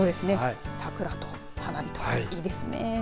桜と花火といいですね。